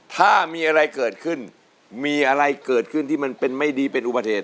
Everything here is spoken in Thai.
ถ้ามีอะไรเกิดขึ้นมีอะไรเกิดขึ้นที่มันเป็นไม่ดีเป็นอุบัติเหตุ